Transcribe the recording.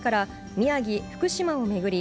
宮城、福島を巡り